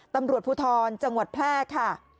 ตำรวจภูทรจังหวัดแพร่ค่ะ